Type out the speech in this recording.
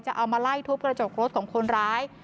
เอามาไล่ทุบกระจกรถของคนร้าย